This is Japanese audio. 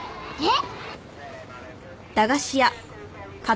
えっ！？